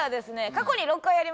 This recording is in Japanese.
過去に６回やりました